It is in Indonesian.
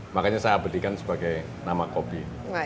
makanya saya berikan sebagai nama kopi